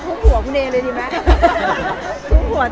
มีความหวังให้มีลูกอีกครั้ง